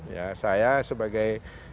ya saya sebagai